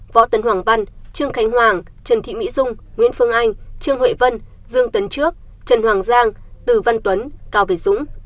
võ tân hoàng văn trương khánh hoàng trần thị mỹ dung nguyễn phương anh trương huệ vân dương tấn trước trần hoàng giang từ văn tuấn cao việt dũng